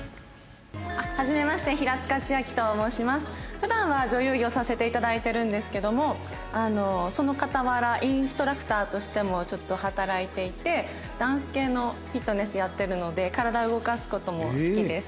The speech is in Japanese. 普段は女優業をさせていただいてるんですけどもその傍らインストラクターとしてもちょっと働いていてダンス系のフィットネスやってるので体動かす事も好きです。